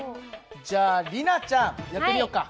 じゃあ里奈ちゃんやってみよっか。